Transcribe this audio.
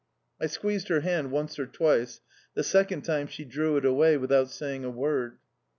I squeezed her hand once or twice; the second time she drew it away without saying a word.